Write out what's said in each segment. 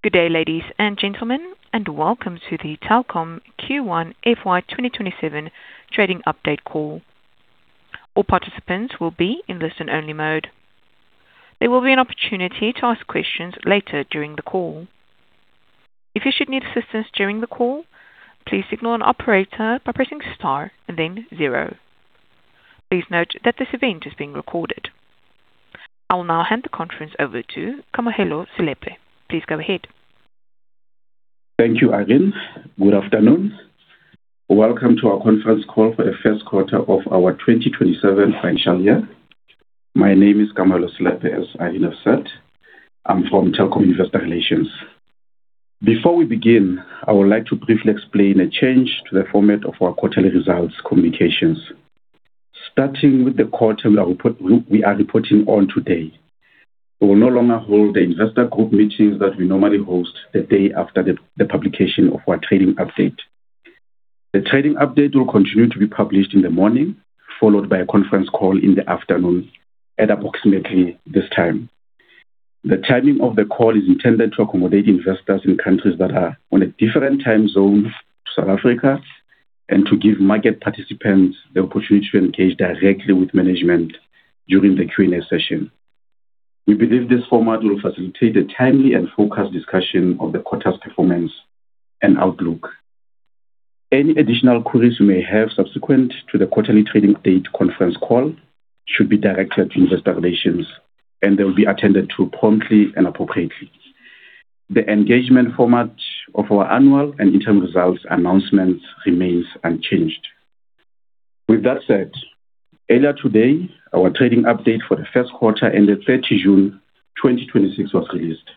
Good day, ladies and gentlemen, and welcome to the Telkom Q1 FY 2027 trading update call. All participants will be in listen-only mode. There will be an opportunity to ask questions later during the call. If you should need assistance during the call, please signal an operator by pressing star and then zero. Please note that this event is being recorded. I will now hand the conference over to Kamohelo Selepe. Please go ahead. Thank you, Irene. Good afternoon. Welcome to our conference call for the first quarter of our 2027 financial year. My name is Kamohelo Selepe, as Irene has said. I'm from Telkom Investor Relations. Before we begin, I would like to briefly explain a change to the format of our quarterly results communications. Starting with the quarter we are reporting on today, we will no longer hold the investor group meetings that we normally host the day after the publication of our trading update. The trading update will continue to be published in the morning, followed by a conference call in the afternoon at approximately this time. The timing of the call is intended to accommodate investors in countries that are on a different time zone to South Africa and to give market participants the opportunity to engage directly with management during the Q&A session. We believe this format will facilitate the timely and focused discussion of the quarter's performance and outlook. Any additional queries you may have subsequent to the quarterly trading update conference call should be directed to Investor Relations, they will be attended to promptly and appropriately. The engagement format of our annual and interim results announcements remains unchanged. With that said, earlier today, our trading update for the first quarter ended June 30, 2026 was released.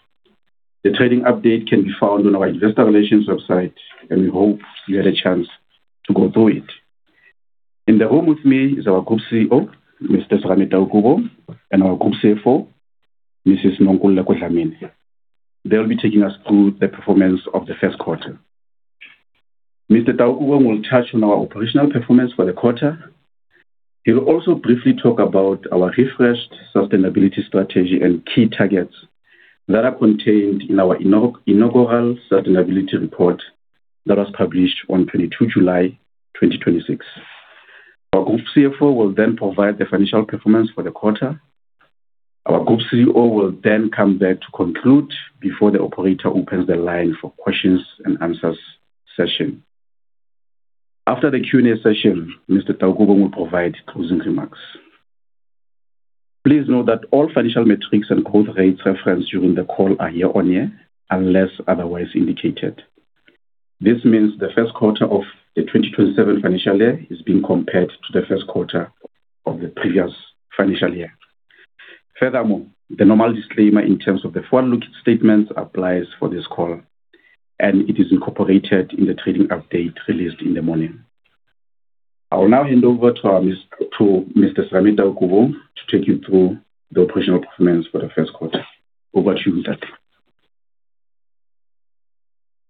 The trading update can be found on our Investor Relations website, we hope you had a chance to go through it. In the room with me is our Group CEO, Mr. Serame Taukobong, our Group CFO, Mrs. Nonkululeko Dlamini. They'll be taking us through the performance of the first quarter. Mr. Taukobong will touch on our operational performance for the quarter. He will also briefly talk about our refreshed sustainability strategy and key targets that are contained in our inaugural sustainability report that was published on July 22, 2026. Our Group CFO will provide the financial performance for the quarter. Our Group CEO will come back to conclude before the operator opens the line for questions and answers session. After the Q&A session, Mr. Taukobong will provide closing remarks. Please note that all financial metrics and growth rates referenced during the call are year-on-year, unless otherwise indicated. This means the first quarter of the 2027 financial year is being compared to the first quarter of the previous financial year. Furthermore, the normal disclaimer in terms of the forward-looking statements applies for this call, it is incorporated in the trading update released in the morning. I will now hand over to Mr. Serame Taukobong to take you through the operational performance for the first quarter. Over to you, sir.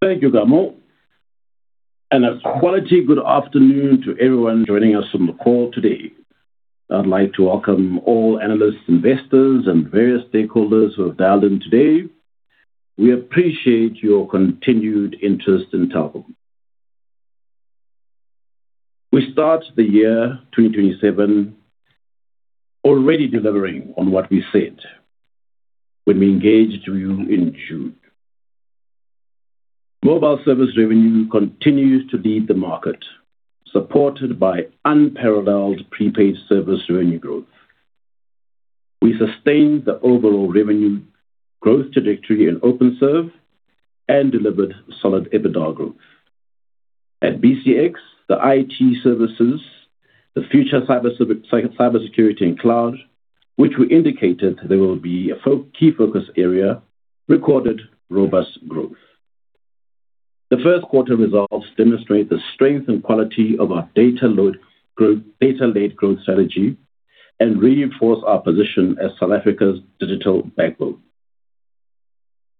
Thank you, Kamo. A quality good afternoon to everyone joining us on the call today. I'd like to welcome all analysts, investors, and various stakeholders who have dialed in today. We appreciate your continued interest in Telkom. We start the year 2027 already delivering on what we said when we engaged you in June. Mobile service revenue continues to lead the market, supported by unparalleled prepaid service revenue growth. We sustained the overall revenue growth trajectory in Openserve and delivered solid EBITDA growth. At BCX, the IT services, the future cybersecurity, and cloud, which we indicated they will be a key focus area, recorded robust growth. The first quarter results demonstrate the strength and quality of our data-led strategy and reinforce our position as South Africa's digital backbone.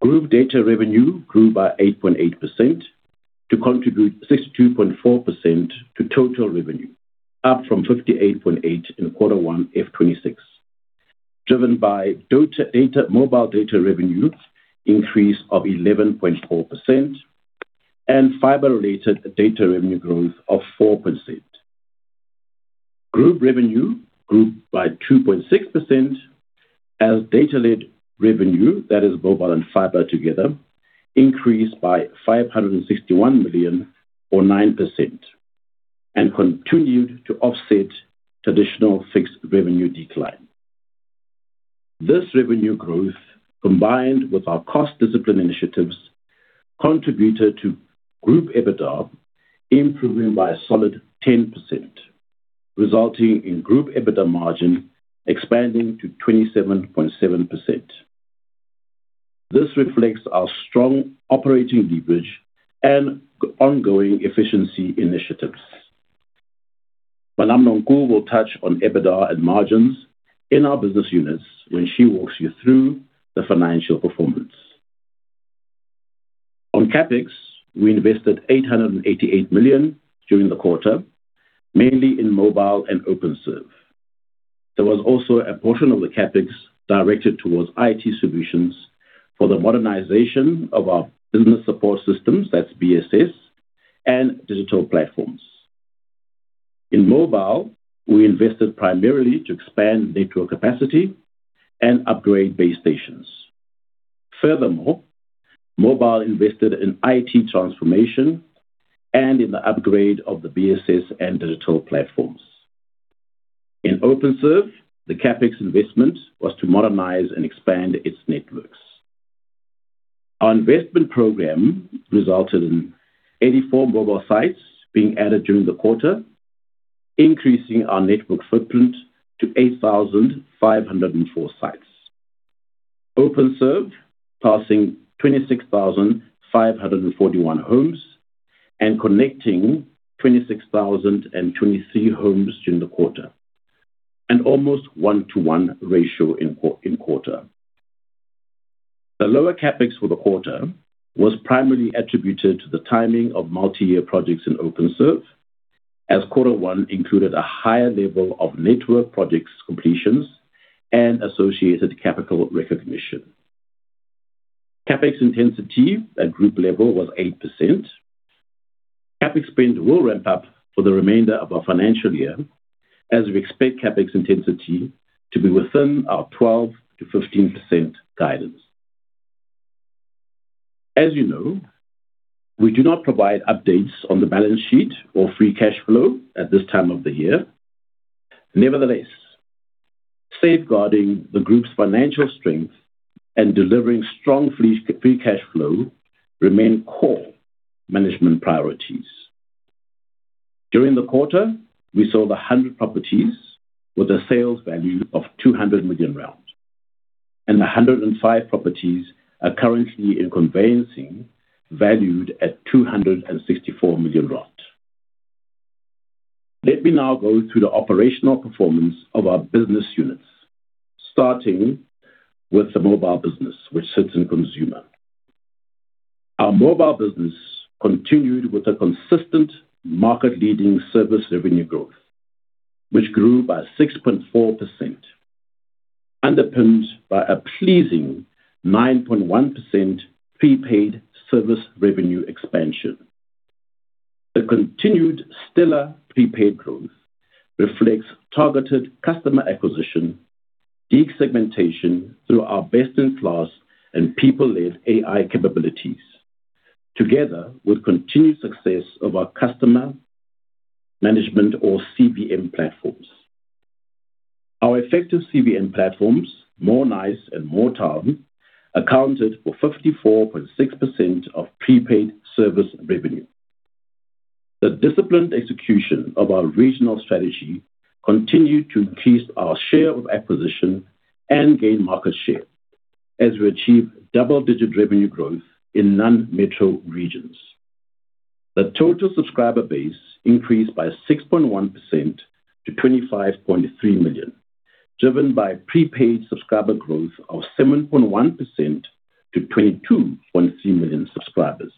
Group data revenue grew by 8.8% to contribute 62.4% to total revenue, up from 58.8% in quarter one FY 2026, driven by mobile data revenue increase of 11.4% and fiber-related data revenue growth of 4%. Group revenue grew by 2.6% as data-led revenue, that is mobile and fiber together, increased by 561 million or 9% and continued to offset traditional fixed revenue decline. This revenue growth, combined with our cost discipline initiatives, contributed to group EBITDA improving by a solid 10%, resulting in group EBITDA margin expanding to 27.7%. This reflects our strong operating leverage and ongoing efficiency initiatives. Madam Nonku will touch on EBITDA and margins in our business units when she walks you through the financial performance. On CapEx, we invested 888 million during the quarter, mainly in mobile and Openserve. There was also a portion of the CapEx directed towards IT solutions for the modernization of our business support systems, that is BSS, and digital platforms. In mobile, we invested primarily to expand network capacity and upgrade base stations. Furthermore, mobile invested in IT transformation and in the upgrade of the BSS and digital platforms. In Openserve, the CapEx investment was to modernize and expand its networks. Our investment program resulted in 84 mobile sites being added during the quarter, increasing our network footprint to 8,504 sites. Openserve passing 26,541 homes and connecting 26,023 homes during the quarter. An almost 1:1 ratio in quarter. The lower CapEx for the quarter was primarily attributed to the timing of multi-year projects in Openserve, as quarter one included a higher level of network projects completions and associated capital recognition. CapEx intensity at group level was 8%. CapEx spend will ramp up for the remainder of our financial year, as we expect CapEx intensity to be within our 12%-15% guidance. As you know, we do not provide updates on the balance sheet or free cash flow at this time of the year. Nevertheless, safeguarding the group's financial strength and delivering strong free cash flow remain core management priorities. During the quarter, we sold 100 properties with a sales value of 200 million, and 105 properties are currently in conveyancing, valued at 264 million rand. Let me now go through the operational performance of our business units, starting with the mobile business, which sits in Consumer. Our mobile business continued with a consistent market-leading service revenue growth, which grew by 6.4%, underpinned by a pleasing 9.1% prepaid service revenue expansion. The continued stellar prepaid growth reflects targeted customer acquisition, deep segmentation through our best-in-class and people-led AI capabilities, together with continued success of our customer management or CBM platforms. Our effective CBM platforms, Mo'Nice and Mo'Time, accounted for 54.6% of prepaid service revenue. The disciplined execution of our regional strategy continued to increase our share of acquisition and gain market share as we achieve double-digit revenue growth in non-metro regions. The total subscriber base increased by 6.1% to 25.3 million, driven by prepaid subscriber growth of 7.1% to 22.3 million subscribers.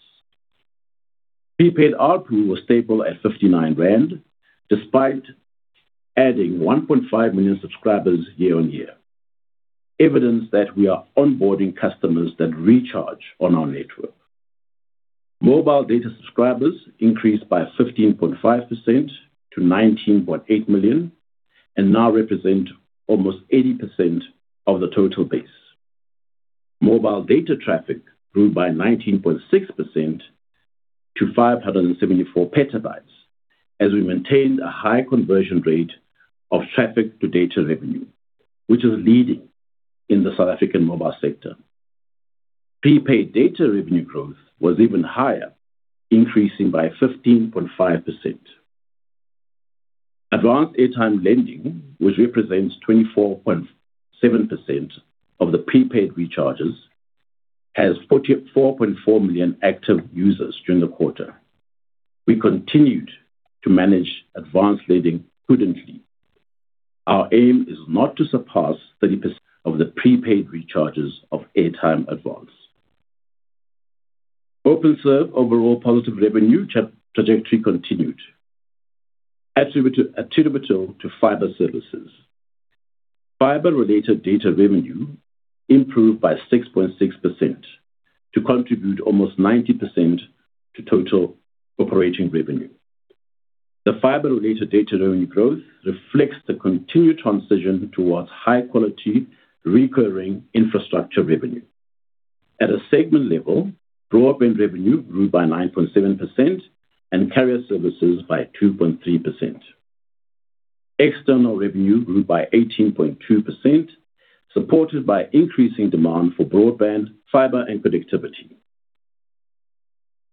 Prepaid ARPU was stable at 59 rand despite adding 1.5 million subscribers year-on-year, evidence that we are onboarding customers that recharge on our network. Mobile data subscribers increased by 15.5% to 19.8 million and now represent almost 80% of the total base. Mobile data traffic grew by 19.6% to 574 PB as we maintained a high conversion rate of traffic to data revenue, which is leading in the South African mobile sector. Prepaid data revenue growth was even higher, increasing by 15.5%. Advanced airtime lending, which represents 24.7% of the prepaid recharges, has 44.4 million active users during the quarter. We continued to manage advanced lending prudently. Our aim is not to surpass 30% of the prepaid recharges of airtime advance. Openserve overall positive revenue trajectory continued, attributable to fiber services. Fiber-related data revenue improved by 6.6% to contribute almost 90% to total operating revenue. The fiber-related data revenue growth reflects the continued transition towards high-quality, recurring infrastructure revenue. At a segment level, broadband revenue grew by 9.7% and carrier services by 2.3%. External revenue grew by 18.2%, supported by increasing demand for broadband, fiber, and connectivity.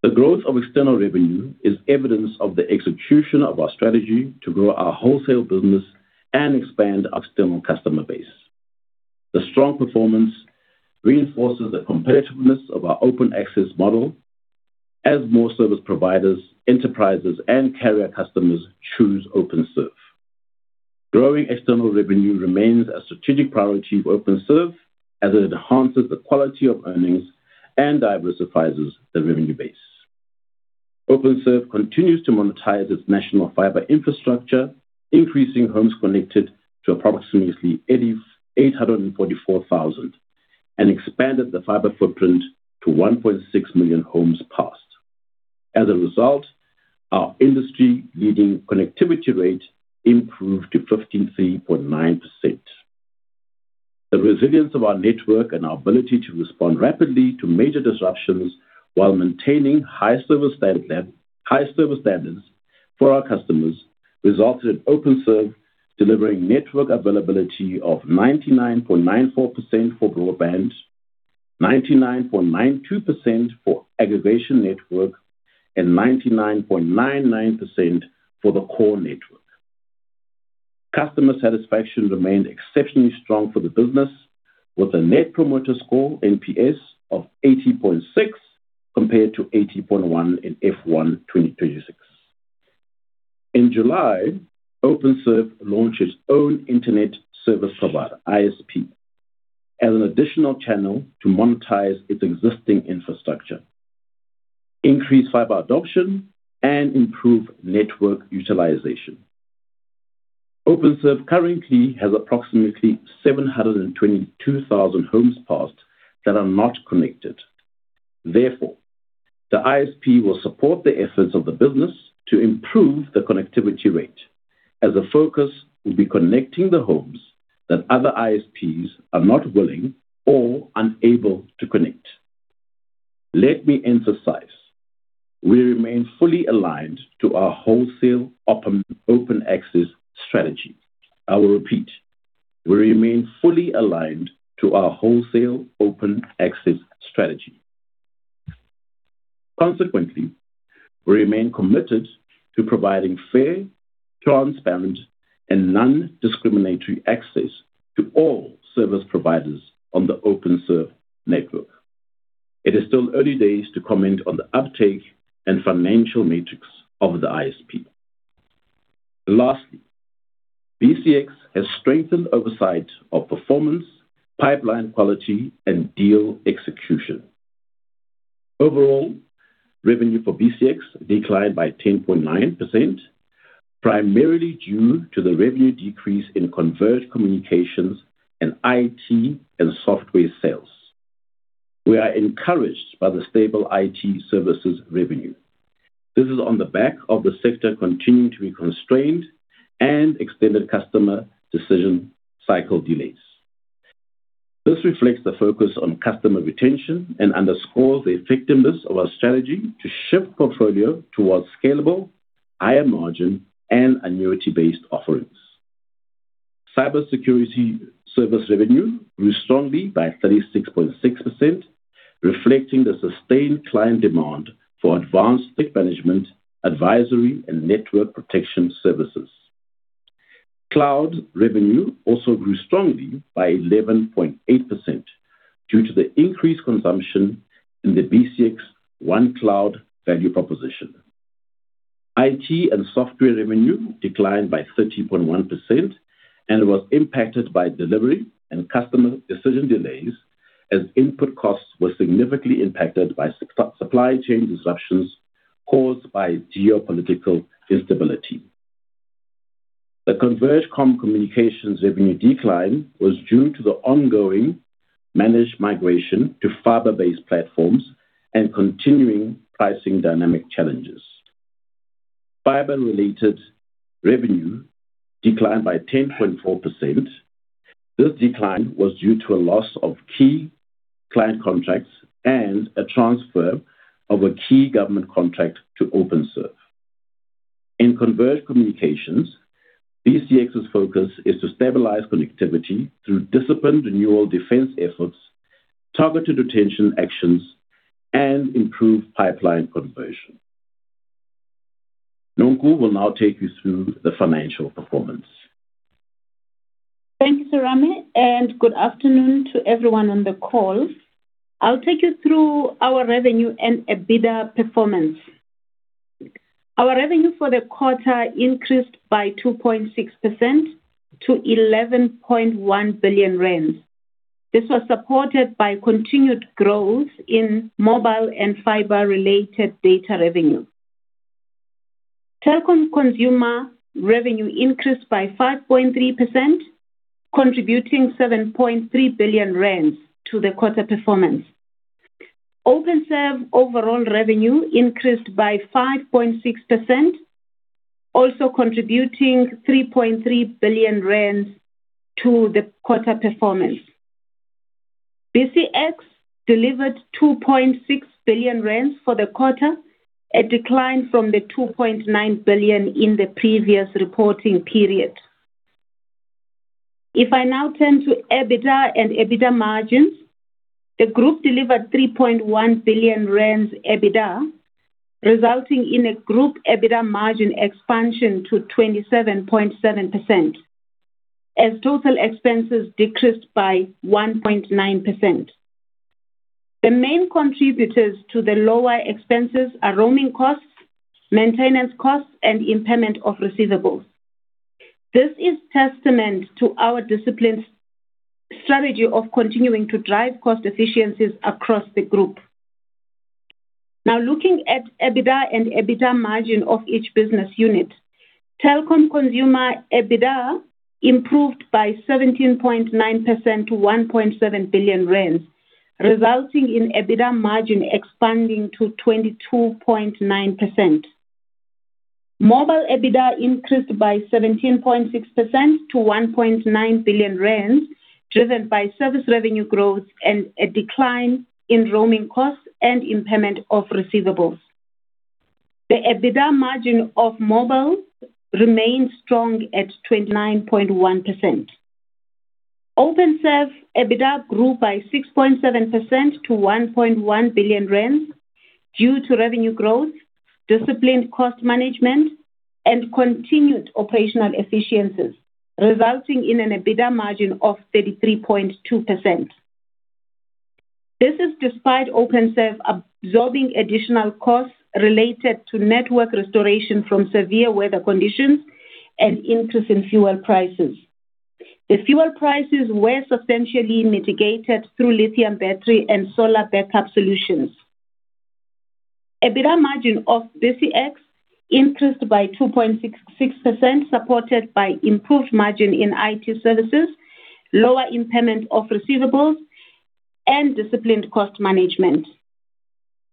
The growth of external revenue is evidence of the execution of our strategy to grow our wholesale business and expand our external customer base. The strong performance reinforces the competitiveness of our open access model as more service providers, enterprises, and carrier customers choose Openserve. Growing external revenue remains a strategic priority for Openserve as it enhances the quality of earnings and diversifies the revenue base. Openserve continues to monetize its national fiber infrastructure, increasing homes connected to approximately 844,000, and expanded the fiber footprint to 1.6 million homes passed. As a result, our industry leading connectivity rate improved to 53.9%. The resilience of our network and our ability to respond rapidly to major disruptions while maintaining high service standards for our customers resulted in Openserve delivering network availability of 99.94% for broadband, 99.92% for aggregation network, and 99.99% for the core network. Customer satisfaction remained exceptionally strong for the business, with a net promoter score, NPS, of 80.6 compared to 80.1 in F1 2026. In July, Openserve launched its own internet service provider, ISP, as an additional channel to monetize its existing infrastructure, increase fiber adoption, and improve network utilization. Openserve currently has approximately 722,000 homes passed that are not connected. Therefore, the ISP will support the efforts of the business to improve the connectivity rate, as the focus will be connecting the homes that other ISPs are not willing or unable to connect. Let me emphasize, we remain fully aligned to our wholesale open access strategy. I will repeat. We remain fully aligned to our wholesale open access strategy. Consequently, we remain committed to providing fair, transparent, and non-discriminatory access to all service providers on the Openserve network. It is still early days to comment on the uptake and financial metrics of the ISP. Lastly, BCX has strengthened oversight of performance, pipeline quality, and deal execution. Overall, revenue for BCX declined by 10.9%, primarily due to the revenue decrease in converged communications and IT and software sales. We are encouraged by the stable IT services revenue. This is on the back of the sector continuing to be constrained and extended customer decision cycle delays. This reflects the focus on customer retention and underscores the effectiveness of our strategy to shift portfolio towards scalable, higher margin, and annuity-based offerings. Cybersecurity service revenue grew strongly by 36.6%, reflecting the sustained client demand for advanced threat management, advisory, and network protection services. Cloud revenue also grew strongly by 11.8% due to the increased consumption in the BCX OneCloud value proposition. IT and software revenue declined by 30.1% and was impacted by delivery and customer decision delays as input costs were significantly impacted by supply chain disruptions caused by geopolitical instability. The converged communications revenue decline was due to the ongoing managed migration to fiber-based platforms and continuing pricing dynamic challenges. Fiber-related revenue declined by 10.4%. This decline was due to a loss of key client contracts and a transfer of a key government contract to Openserve. In converged communications, BCX's focus is to stabilize connectivity through disciplined renewal defense efforts, targeted retention actions, and improved pipeline conversion. Nonku will now take you through the financial performance. Thank you, Serame, and good afternoon to everyone on the call. I'll take you through our revenue and EBITDA performance. Our revenue for the quarter increased by 2.6% to 11.1 billion rand. This was supported by continued growth in mobile and fiber-related data revenue. Telkom Consumer revenue increased by 5.3%, contributing 7.3 billion rand to the quarter performance. Openserve overall revenue increased by 5.6%, also contributing 3.3 billion rand to the quarter performance. BCX delivered 2.6 billion rand for the quarter, a decline from the 2.9 billion in the previous reporting period. If I now turn to EBITDA and EBITDA margins, the group delivered 3.1 billion rand EBITDA, resulting in a group EBITDA margin expansion to 27.7%, as total expenses decreased by 1.9%. The main contributors to the lower expenses are roaming costs, maintenance costs, and impairment of receivables. This is testament to our disciplined strategy of continuing to drive cost efficiencies across the group. Looking at EBITDA and EBITDA margin of each business unit. Telkom Consumer EBITDA improved by 17.9% to 1.7 billion rand, resulting in EBITDA margin expanding to 22.9%. Mobile EBITDA increased by 17.6% to 1.9 billion rand, driven by service revenue growth and a decline in roaming costs and impairment of receivables. The EBITDA margin of mobile remained strong at 29.1%. Openserve EBITDA grew by 6.7% to 1.1 billion rand due to revenue growth, disciplined cost management, and continued operational efficiencies, resulting in an EBITDA margin of 33.2%. This is despite Openserve absorbing additional costs related to network restoration from severe weather conditions and increase in fuel prices. The fuel prices were substantially mitigated through lithium battery and solar backup solutions. EBITDA margin of BCX increased by 2.66%, supported by improved margin in IT services, lower impairment of receivables, and disciplined cost management.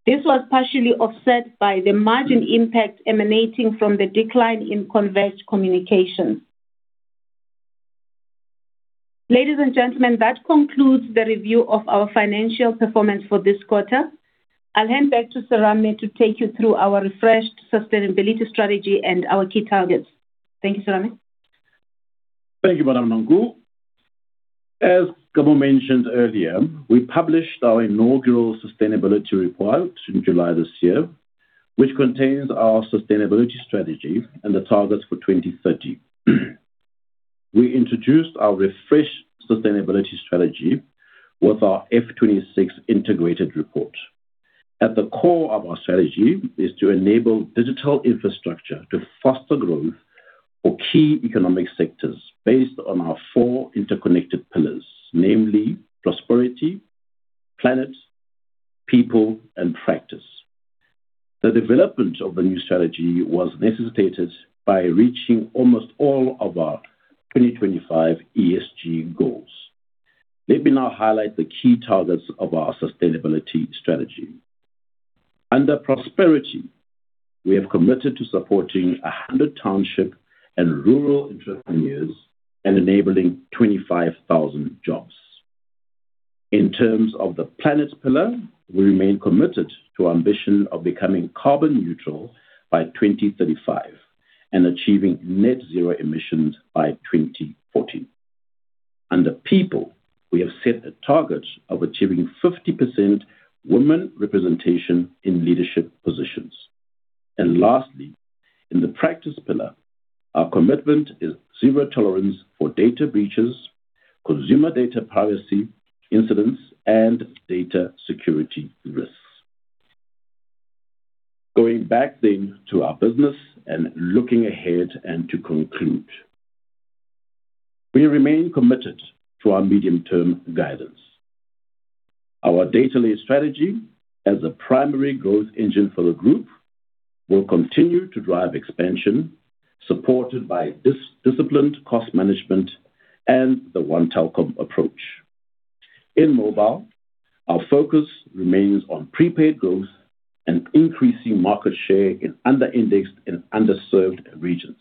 This was partially offset by the margin impact emanating from the decline in converged communications. Ladies and gentlemen, that concludes the review of our financial performance for this quarter. I'll hand back to Serame to take you through our refreshed sustainability strategy and our key targets. Thank you, Serame. Thank you, Madam Nonku. As Kamo mentioned earlier, we published our inaugural sustainability report in July this year, which contains our sustainability strategy and the targets for 2030. We introduced our refreshed sustainability strategy with our F 2026 integrated report. At the core of our strategy is to enable digital infrastructure to foster growth for key economic sectors based on our four interconnected pillars, namely prosperity, planet, people, and practice. The development of the new strategy was necessitated by reaching almost all of our 2025 ESG goals. Let me now highlight the key targets of our sustainability strategy. Under prosperity, we have committed to supporting 100 township and rural entrepreneurs and enabling 25,000 jobs. In terms of the planet pillar, we remain committed to our ambition of becoming carbon neutral by 2035 and achieving net zero emissions by 2040. Under people, we have set a target of achieving 50% women representation in leadership positions. Lastly, in the practice pillar, our commitment is zero tolerance for data breaches, consumer data privacy incidents, and data security risks. Going back then to our business and looking ahead and to conclude, we remain committed to our medium-term guidance. Our data-led strategy as a primary growth engine for the group will continue to drive expansion supported by disciplined cost management and the One Telkom approach. In mobile, our focus remains on prepaid growth and increasing market share in under-indexed and underserved regions.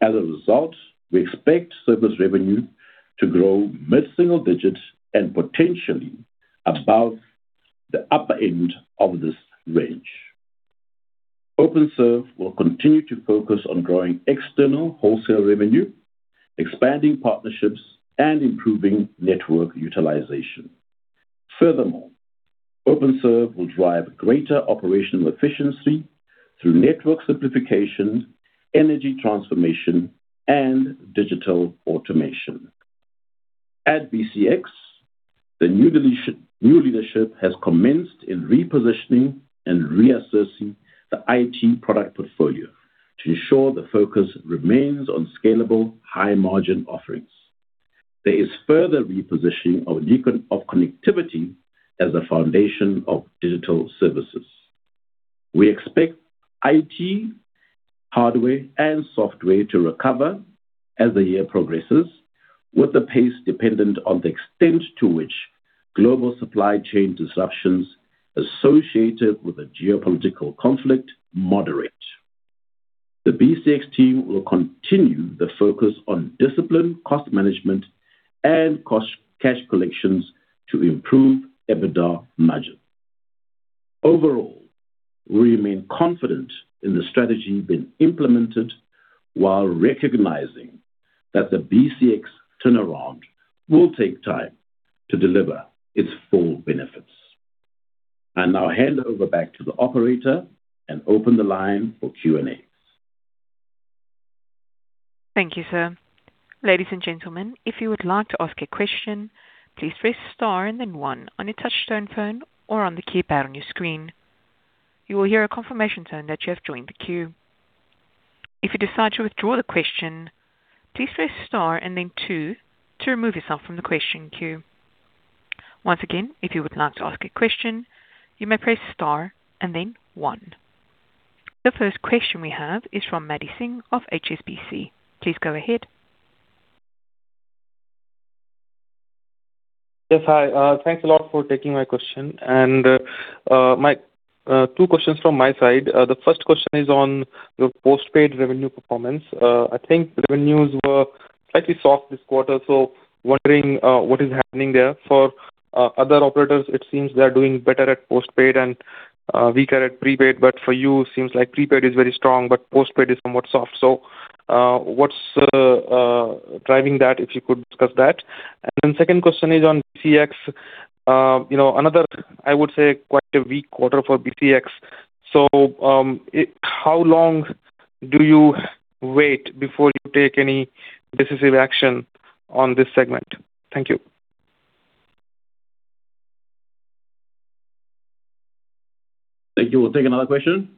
As a result, we expect service revenue to grow mid single-digits and potentially above the upper end of this range. Openserve will continue to focus on growing external wholesale revenue, expanding partnerships, and improving network utilization. Furthermore, Openserve will drive greater operational efficiency through network simplification, energy transformation, and digital automation. At BCX, the new leadership has commenced in repositioning and reassessing the IT product portfolio to ensure the focus remains on scalable, high-margin offerings. There is further repositioning of connectivity as a foundation of digital services. We expect IT hardware and software to recover as the year progresses with the pace dependent on the extent to which global supply chain disruptions associated with the geopolitical conflict moderate. The BCX team will continue the focus on disciplined cost management and cash collections to improve EBITDA margin. Overall, we remain confident in the strategy being implemented while recognizing that the BCX turnaround will take time to deliver its full benefits. I now hand over back to the operator and open the line for Q&A. Thank you, sir. Ladies and gentlemen, if you would like to ask a question, please press star and then one on your touchtone phone or on the keypad on your screen. You will hear a confirmation tone that you have joined the queue. If you decide to withdraw the question, please press star and then two to remove yourself from the question queue. Once again, if you would like to ask a question, you may press star and then one. The first question we have is from Madi Singh of HSBC. Please go ahead. Yes, hi. Thanks a lot for taking my question. Two questions from my side. The first question is on your postpaid revenue performance. I think revenues were slightly soft this quarter, so wondering what is happening there. For other operators, it seems they are doing better at postpaid and weaker at prepaid. For you, seems like prepaid is very strong, but postpaid is somewhat soft. What's driving that, if you could discuss that? Second question is on BCX. Another, I would say, quite a weak quarter for BCX. How long do you wait before you take any decisive action on this segment? Thank you. Thank you. We'll take another question.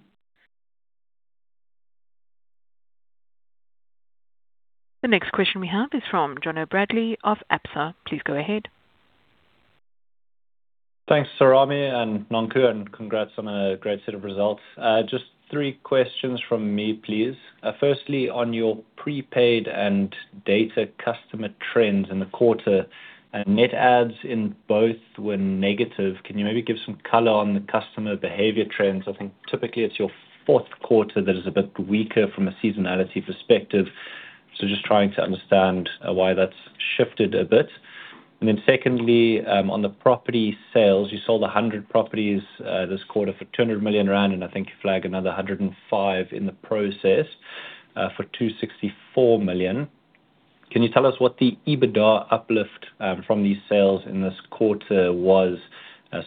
The next question we have is from Jono Bradley of Absa. Please go ahead. Thanks, Serame and Nonku. Congrats on a great set of results. Just three questions from me, please. Firstly, on your prepaid and data customer trends in the quarter, net adds in both were negative. Can you maybe give some color on the customer behavior trends? I think typically it's your fourth quarter that is a bit weaker from a seasonality perspective. Just trying to understand why that's shifted a bit. Secondly, on the property sales, you sold 100 properties this quarter for 200 million rand, and I think you flagged another 105 in the process, for 264 million. Can you tell us what the EBITDA uplift from these sales in this quarter was?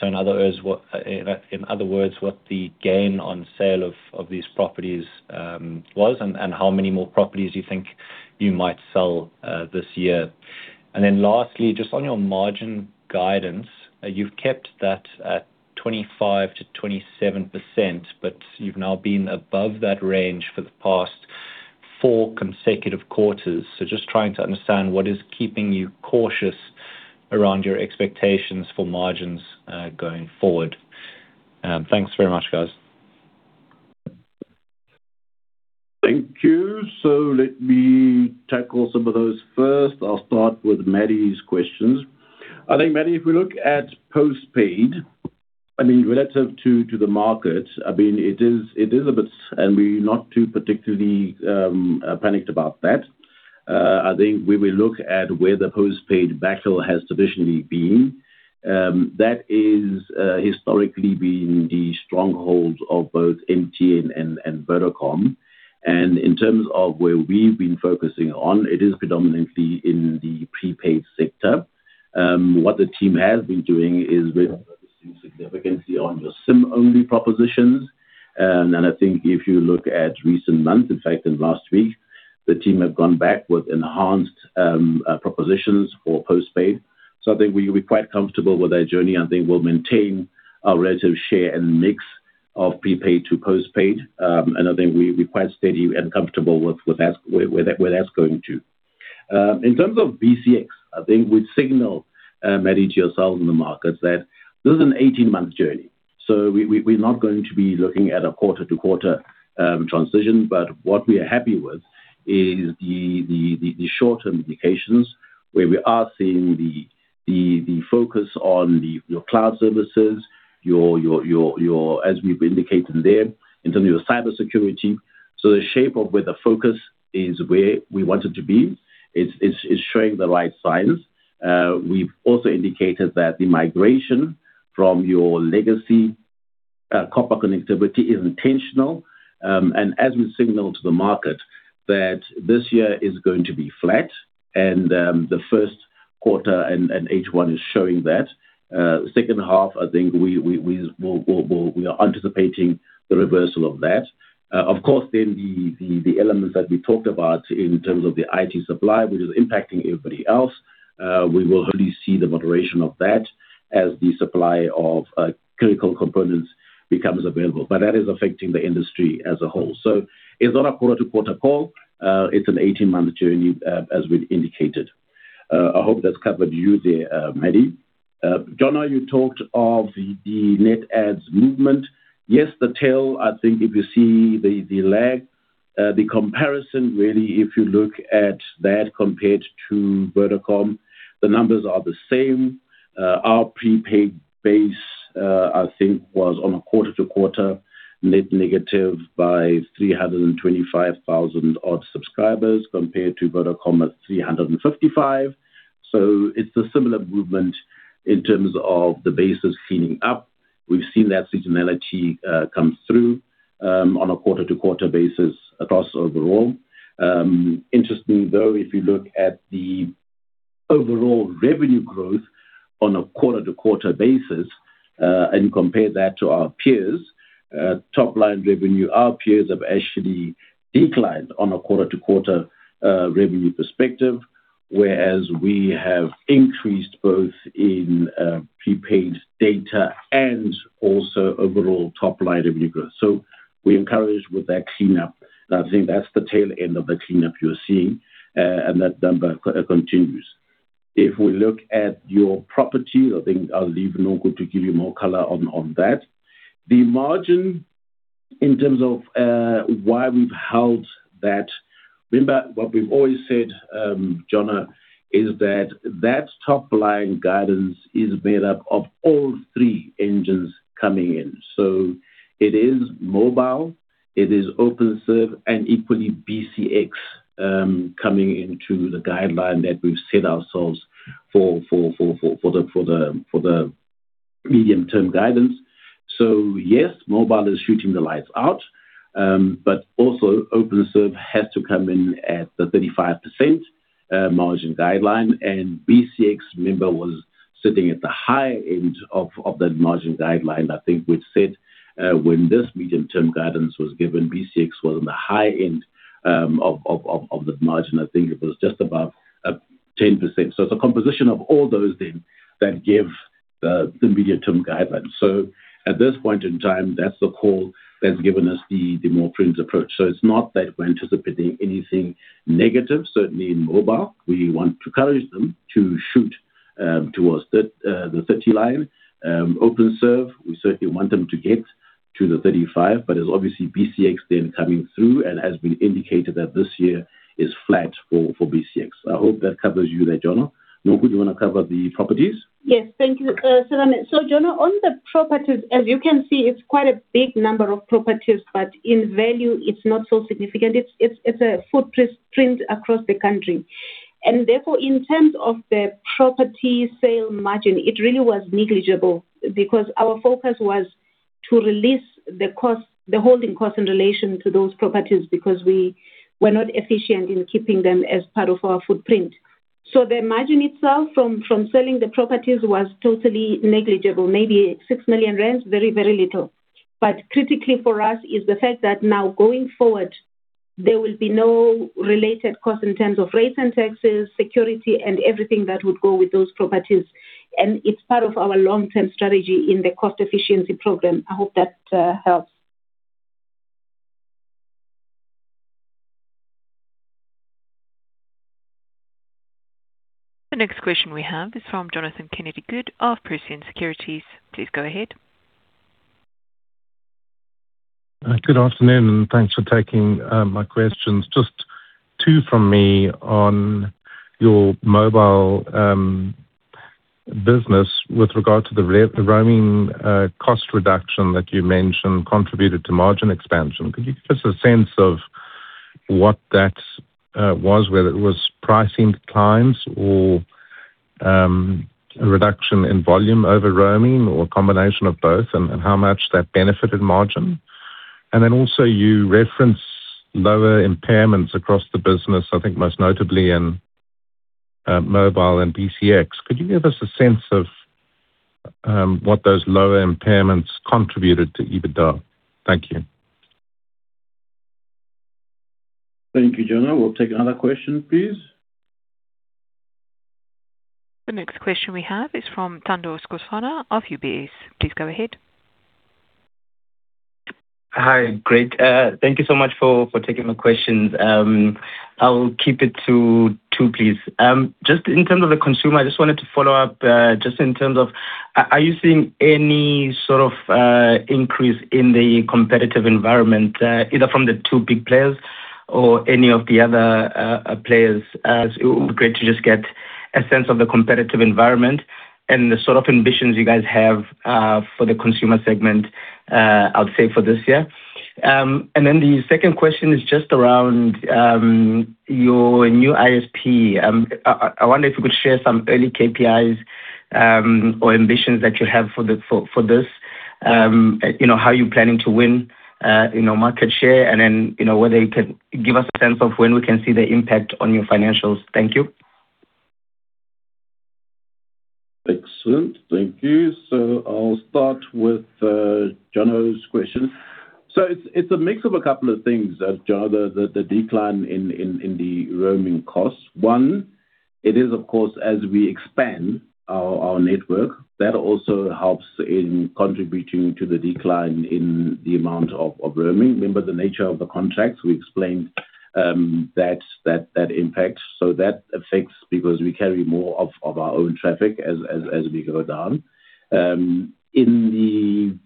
In other words, what the gain on sale of these properties was and how many more properties you think you might sell this year? Lastly, just on your margin guidance, you've kept that at 25%-27%, but you've now been above that range for the past four consecutive quarters. Just trying to understand what is keeping you cautious around your expectations for margins going forward. Thanks very much, guys. Thank you. Let me tackle some of those. First, I'll start with Madi's questions. I think, Madi, if we look at postpaid, relative to the market, it is a bit, and we're not too particularly panicked about that. I think when we look at where the postpaid battle has traditionally been, that is historically been the stronghold of both MTN and Vodacom. In terms of where we've been focusing on, it is predominantly in the prepaid sector. What the team has been doing is really focusing significantly on your SIM-only propositions. I think if you look at recent months, in fact in last week, the team have gone back with enhanced propositions for postpaid. I think we're quite comfortable with our journey, and think we'll maintain our relative share and mix of prepaid to postpaid. I think we're quite steady and comfortable where that's going to. In terms of BCX, I think we've signaled, Madi, to yourself and the markets that this is an 18-month journey. We're not going to be looking at a quarter-to-quarter transition, but what we are happy with is the short-term indications, where we are seeing the focus on your cloud services, as we've indicated there, in terms of your cybersecurity. The shape of where the focus is, where we want it to be, it's showing the right signs. We've also indicated that the migration from your legacy copper connectivity is intentional. As we signaled to the market that this year is going to be flat and the first quarter and H1 is showing that. The second half, I think we are anticipating the reversal of that. Of course, the elements that we talked about in terms of the IT supply, which is impacting everybody else, we will hopefully see the moderation of that as the supply of critical components becomes available. That is affecting the industry as a whole. It's not a quarter-to-quarter call. It's an 18-month journey, as we've indicated. I hope that's covered you there, Madi. Jono, you talked of the net adds movement. Yes, the tail, I think if you see the lag, the comparison really, if you look at that compared to Vodacom, the numbers are the same. Our prepaid base, I think was on a quarter-to-quarter net negative by 325,000 odd subscribers compared to Vodacom at 355,000. It's a similar movement in terms of the bases cleaning up. We've seen that seasonality come through on a quarter-to-quarter basis across overall. Interestingly though, if you look at the overall revenue growth on a quarter-to-quarter basis, and compare that to our peers' top-line revenue, our peers have actually declined on a quarter-to-quarter revenue perspective. Whereas we have increased both in prepaid data and also overall top line revenue growth. We're encouraged with that cleanup. I think that's the tail end of the cleanup you're seeing, and that number continues. If we look at your property, I think I'll leave Nonku to give you more color on that. The margin, in terms of why we've held that, remember what we've always said, Jono, is that top-line guidance is made up of all three engines coming in. It is mobile, it is Openserve, and equally BCX coming into the guideline that we've set ourselves for the medium-term guidance. Yes, mobile is shooting the lights out, but also Openserve has to come in at the 35% margin guideline. BCX, remember, was sitting at the high end of that margin guideline, I think we'd said, when this medium-term guidance was given, BCX was on the high end of that margin. I think it was just above 10%. It's a composition of all those then that give the medium-term guidance. At this point in time, that's the call that's given us the more prunes approach. It's not that we're anticipating anything negative, certainly in mobile, we want to encourage them to shoot towards the 30% line. Openserve, we certainly want them to get to the 35%, but it's obviously BCX then coming through, and has been indicated that this year is flat for BCX. I hope that covers you there, Jono. Nonku, do you want to cover the properties? Yes. Thank you, Serame. Jono, on the properties, as you can see, it is quite a big number of properties, but in value it is not so significant. It is a footprint across the country. Therefore, in terms of the property sale margin, it really was negligible because our focus was to release the holding cost in relation to those properties, because we were not efficient in keeping them as part of our footprint. The margin itself from selling the properties was totally negligible. Maybe 6 million rand, very, very little. Critically for us is the fact that now going forward, there will be no related cost in terms of rates and taxes, security, and everything that would go with those properties. It is part of our long-term strategy in the cost efficiency program. I hope that helps. The next question we have is from Jonathan Kennedy-Good of Prescient Securities. Please go ahead. Good afternoon, thanks for taking my questions. Just two from me on your mobile business with regard to the roaming cost reduction that you mentioned contributed to margin expansion. Could you give us a sense of what that was, whether it was pricing declines or a reduction in volume over roaming, or a combination of both, and how much that benefited margin? Then also you reference lower impairments across the business, I think most notably in mobile and BCX. Could you give us a sense of what those lower impairments contributed to EBITDA? Thank you. Thank you, Jono. We'll take another question, please. The next question we have is from Thando Skosana of UBS. Please go ahead. Hi. Great. Thank you so much for taking the questions. I'll keep it to two, please. Just in terms of the consumer, I just wanted to follow up, just in terms of, are you seeing any sort of increase in the competitive environment, either from the two big players or any of the other players? It would be great to just get a sense of the competitive environment and the sort of ambitions you guys have for the consumer segment, I would say for this year. The second question is just around your new ISP. I wonder if you could share some early KPIs or ambitions that you have for this. How are you planning to win market share? And then, whether you can give us a sense of when we can see the impact on your financials. Thank you. Excellent. Thank you. I'll start with Jono's question. It's a mix of a couple of things, Jono, the decline in the roaming costs. One, it is, of course, as we expand our network, that also helps in contributing to the decline in the amount of roaming. Remember the nature of the contracts we explained, that impacts. That affects because we carry more of our own traffic as we go down. In the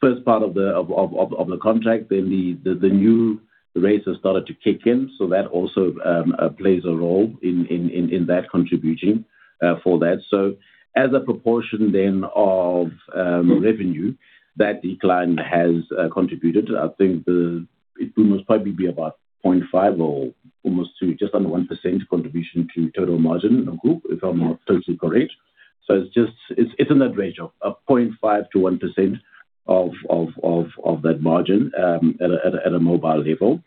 first part of the contract, then the new rates have started to kick in, so that also plays a role in that contributing for that. As a proportion then of revenue, that decline has contributed. I think it will most probably be about 0.5% or almost to just under 1% contribution to total margin in the group, if I'm totally correct. It's an average of 0.5%-1% of that margin at a mobile level.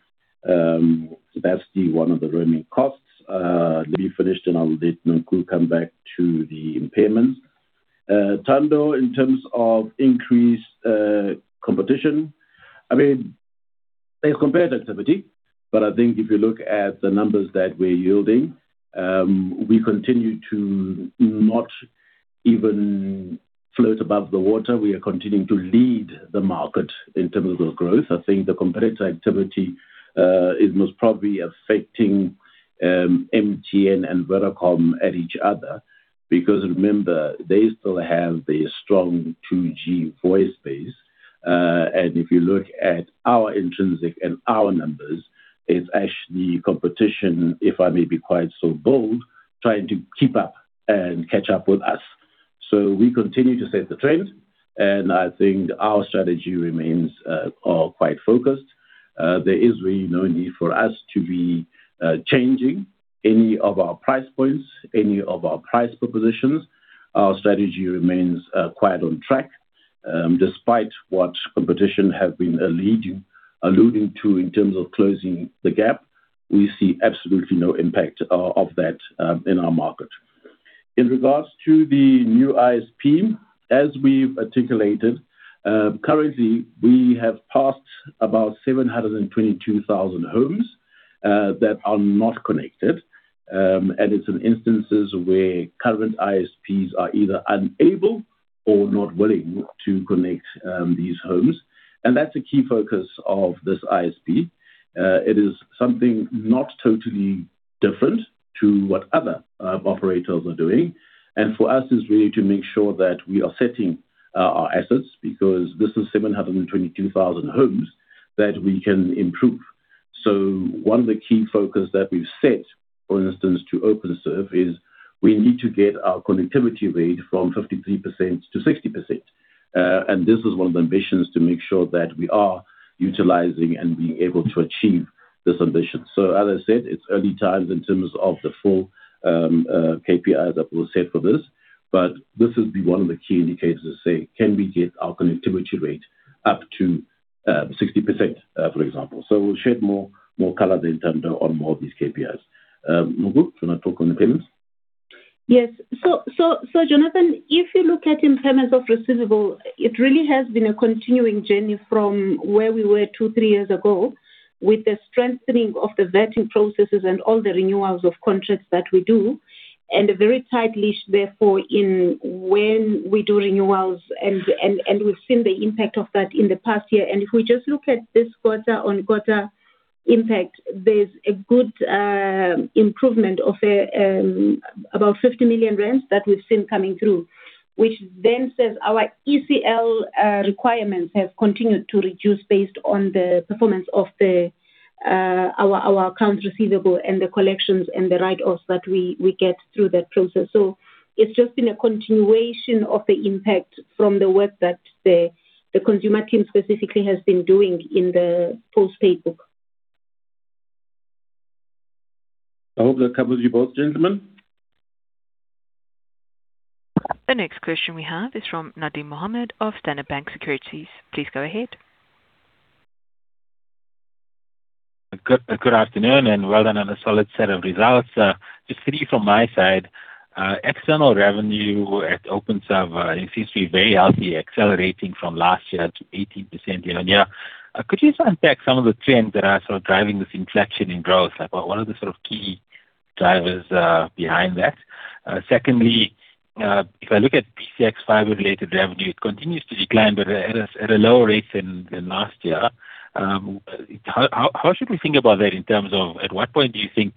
That's one of the roaming costs, and I'll let Nonku come back to the impairments. Thando, in terms of increased competition, there's competitive activity, but I think if you look at the numbers that we're yielding, we continue to not even float above the water. We are continuing to lead the market in terms of growth. I think the competitor activity is most probably affecting MTN and Vodacom at each other, because remember, they still have the strong 2G voice base. If you look at our intrinsic and our numbers, it's actually competition, if I may be quite so bold, trying to keep up and catch up with us. We continue to set the trend, and I think our strategy remains quite focused. There is really no need for us to be changing any of our price points, any of our price propositions. Our strategy remains quite on track. Despite what competition have been alluding to in terms of closing the gap, we see absolutely no impact of that in our market. In regards to the new ISP, as we've articulated, currently, we have passed about 722,000 homes that are not connected, and it's in instances where current ISPs are either unable or not willing to connect these homes. That's a key focus of this ISP. It is something not totally different to what other operators are doing. For us, it's really to make sure that we are setting our assets, because this is 722,000 homes that we can improve. One of the key focus that we've set, for instance, to Openserve is we need to get our connectivity rate from 53%-60%. This is one of the ambitions to make sure that we are utilizing and being able to achieve this ambition. As I said, it's early times in terms of the full KPIs that we'll set for this, but this will be one of the key indicators to say, can we get our connectivity rate up to 60%, for example. We'll shed more color there, Thando, on more of these KPIs. Nonku, do you want to talk on the payments? Yes. Jonathan, if you look at impairments of receivable, it really has been a continuing journey from where we were two, three years ago with the strengthening of the vetting processes and all the renewals of contracts that we do, and a very tight leash, therefore, in when we do renewals, and we've seen the impact of that in the past year. If we just look at this quarter-on-quarter impact, there's a good improvement of about 50 million rand that we've seen coming through, which then says our ECL requirements have continued to reduce based on the performance of our accounts receivable and the collections and the write-offs that we get through that process. It's just been a continuation of the impact from the work that the Consumer team specifically has been doing in the post-pay book. I hope that covers you both, gentlemen. The next question we have is from Nadim Mohamed of Standard Bank Securities. Please go ahead. Good afternoon. Well done on a solid set of results. Just three from my side. External revenue at Openserve, it seems to be very healthy, accelerating from last year to 18% year-on-year. Could you just unpack some of the trends that are sort of driving this inflection in growth? What are the sort of key drivers behind that? Secondly, if I look at BCX fiber-related revenue, it continues to decline, but at a lower rate than last year. How should we think about that in terms of at what point do you think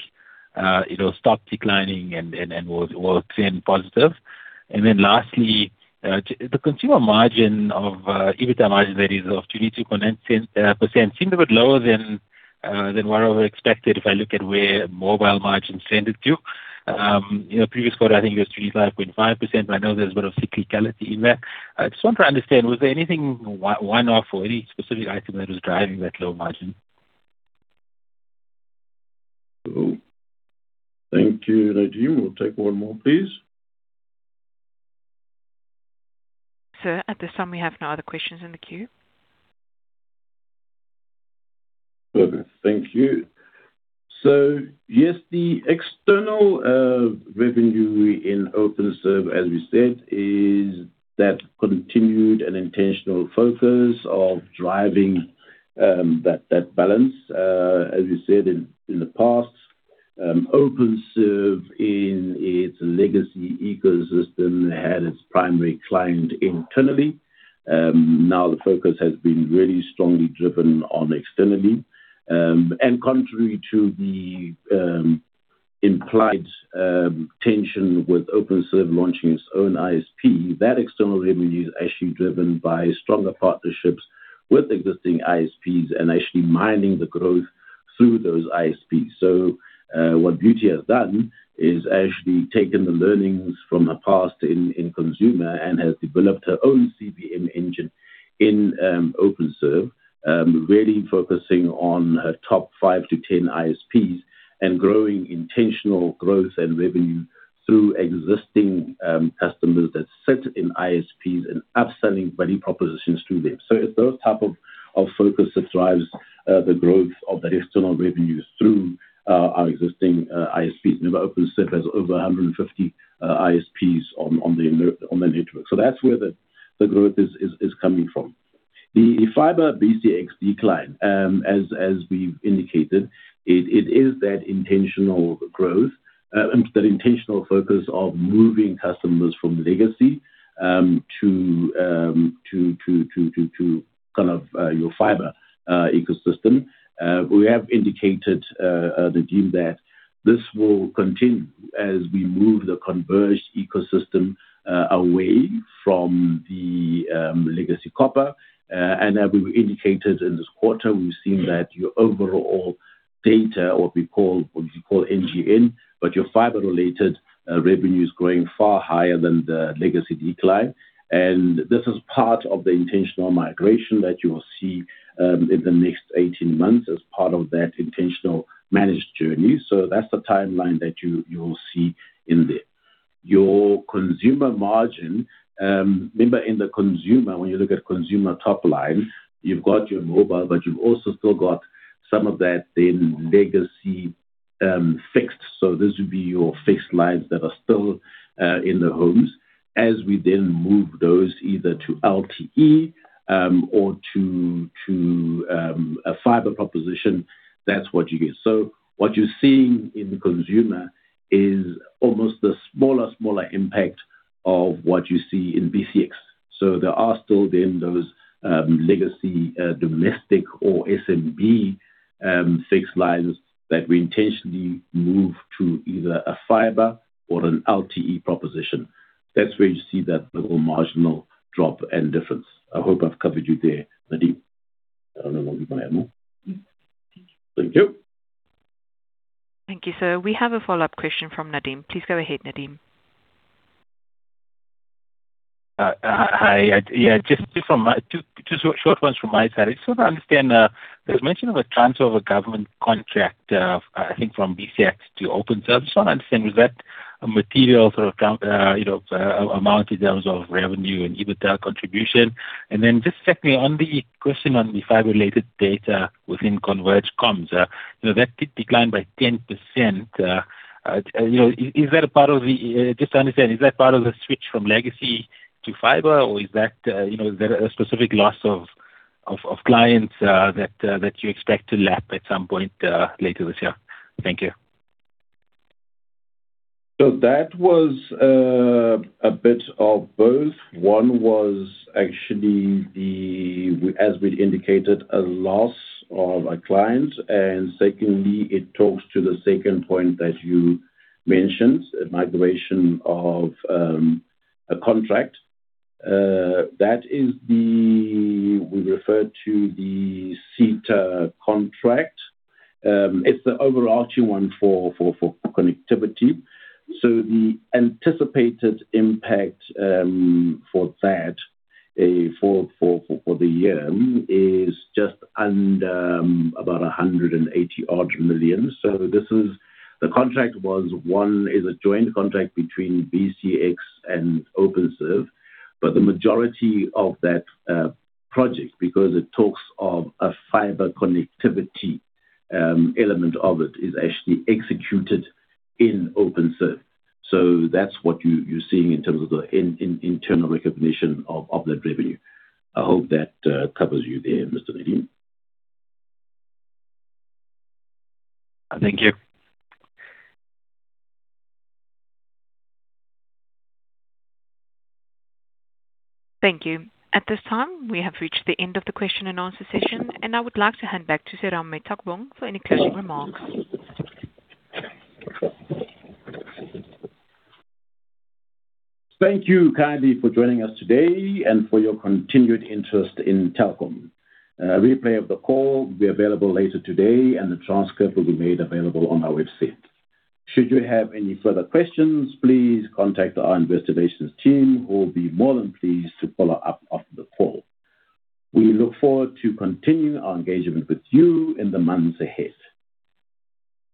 it'll stop declining and will it turn positive? Then lastly, the consumer margin of, EBITDA margin that is, of 22.9% seems a bit lower than what I would've expected if I look at where mobile margins tended to. In a previous quarter, I think it was 25.5%, but I know there's a bit of cyclicality in there. I just want to understand, was there anything one-off or any specific item that was driving that low margin? Thank you, Nadim. We'll take one more, please. Sir, at this time, we have no other questions in the queue. Perfect. Thank you. Yes, the external revenue in Openserve, as we said, is that continued and intentional focus of driving that balance. As we said in the past, Openserve in its legacy ecosystem had its primary client internally. Now the focus has been really strongly driven on externally. Contrary to the implied tension with Openserve launching its own ISP, that external revenue is actually driven by stronger partnerships with existing ISPs and actually mining the growth through those ISPs. What Beauty has done is actually taken the learnings from her past in consumer and has developed her own CBM engine in Openserve, really focusing on her top five to 10 ISPs and growing intentional growth and revenue through existing customers that sit in ISPs and upselling value propositions to them. It's those type of focus that drives the growth of the external revenues through our existing ISPs. Remember, Openserve has over 150 ISPs on the network. That's where the growth is coming from. The fiber BCX decline, as we've indicated, it is that intentional growth, that intentional focus of moving customers from legacy to kind of your fiber ecosystem. We have indicated, Nadim, that this will continue as we move the converged ecosystem away from the legacy copper. As we've indicated in this quarter, we've seen that your overall data, or what we call NGN, but your fiber-related revenue is growing far higher than the legacy decline. This is part of the intentional migration that you will see in the next 18 months as part of that intentional managed journey. That's the timeline that you will see in there. Your consumer margin, remember, in the consumer, when you look at consumer top line, you've got your mobile, but you've also still got some of that then legacy fixed. This will be your fixed lines that are still in the homes as we then move those either to LTE or to a fiber proposition. That's what you get. What you're seeing in the consumer is almost the smaller impact of what you see in BCX. There are still then those legacy domestic or SMB fixed lines that we intentionally move to either a fiber or an LTE proposition. That's where you see that little marginal drop and difference. I hope I've covered you there, Nadim. I don't know, Nonku you want to add more? No. Thank you. Thank you. Thank you, sir. We have a follow-up question from Nadim. Please go ahead, Nadim. Hi. Yeah, just two short ones from my side. Just so that I understand, there's mention of a transfer of a government contract, I think from BCX to Openserve. I just want to understand, was that a material sort of amount in terms of revenue and EBITDA contribution? Then just secondly, on the question on the fiber-related data within converged comms, that did decline by 10%. Just to understand, is that part of the switch from legacy to fiber, or is that a specific loss of clients that you expect to lap at some point later this year? Thank you. That was a bit of both. One was actually, as we indicated, a loss of a client, and secondly, it talks to the second point that you mentioned, migration of a contract. That is, we refer to the SITA contract. It's the overarching one for connectivity. The anticipated impact for that for the year is just under about 180-odd million. The contract is a joint contract between BCX and Openserve, but the majority of that project, because it talks of a fiber connectivity element of it, is actually executed in Openserve. That's what you're seeing in terms of the internal recognition of that revenue. I hope that covers you there, Mr. Nadim. Thank you. Thank you. At this time, we have reached the end of the question and answer session, and I would like to hand back to Serame Taukobong for any closing remarks. Thank you kindly for joining us today and for your continued interest in Telkom. A replay of the call will be available later today, and the transcript will be made available on our website. Should you have any further questions, please contact our Investor Relations team, who will be more than pleased to follow up after the call. We look forward to continuing our engagement with you in the months ahead.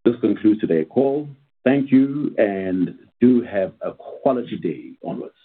This concludes today's call. Thank you, and do have a quality day onwards.